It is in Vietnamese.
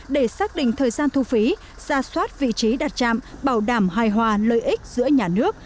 để xác định thời gian thu phí ra soát vị trí đặt trạm bảo đảm hài hòa lợi ích giữa nhà nước